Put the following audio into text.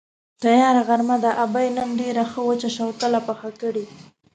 تیاره غرمه ده، ابۍ نن ډېره ښه وچه شوتله پخه کړې.